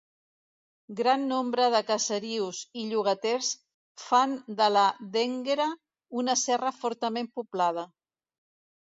Gran nombre de caserius i llogarets fan de la d'Énguera una serra fortament poblada.